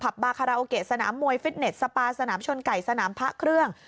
บาคาราโอเกะสนามมวยฟิตเน็ตสปาสนามชนไก่สนามพระเครื่อง